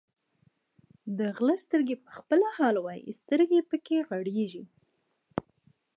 د غله سترګې په خپله حال وایي، سترګې یې پکې غړېږي.